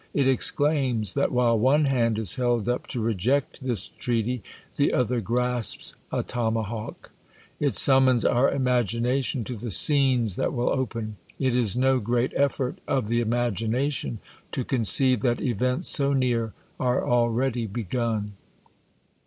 It exclaims, that while one hand is held up to reject this treaty, the other grasps a tomahawk. It summons our imagma tion to the scenes that will open. It is no great effort of the imagination to conceive that events so near are already begun.